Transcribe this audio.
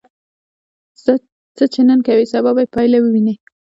څه چې نن کوې، سبا به یې پایله ووینې.